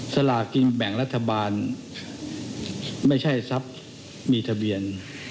สลากินแบ่งรัฐบาลไม่ใช่ทรัพย์มีทะเบียน